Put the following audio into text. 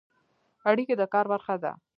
اړیکې د کار برخه ده